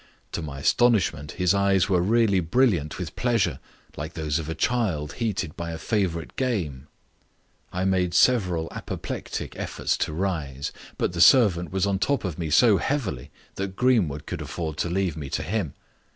To my astonishment his eyes were really brilliant with pleasure, like those of a child heated by a favourite game. I made several apoplectic efforts to rise, but the servant was on top of me so heavily that Greenwood could afford to leave me to him.